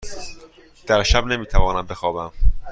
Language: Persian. در شب نمی توانم بخوابم.